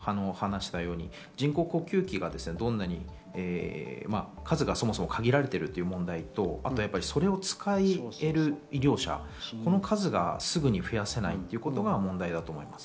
なんでこれが増やせないかっていうのは今、話したように人工呼吸器の数がそもそも限られているという問題とそれを使える医療者の数がすぐに増やせないっていうことが問題だと思います。